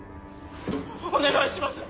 お願いします！